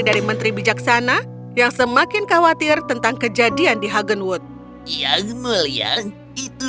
dari menteri bijaksana yang semakin khawatir tentang kejadian di hagenwood yang mulia itu